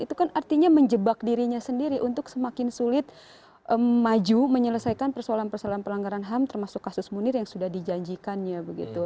itu kan artinya menjebak dirinya sendiri untuk semakin sulit maju menyelesaikan persoalan persoalan pelanggaran ham termasuk kasus munir yang sudah dijanjikannya begitu